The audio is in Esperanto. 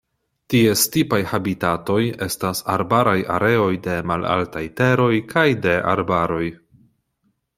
Ties tipaj habitatoj estas arbaraj areoj de malaltaj teroj kaj de arbaroj.